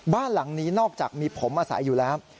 บ้านหลังนี้นอกจากมีผมอาศัยอยู่แล้ว